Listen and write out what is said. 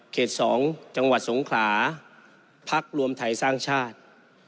๒จังหวัดสงขลาพักรวมไทยสร้างชาติ